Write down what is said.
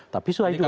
tapi saya juga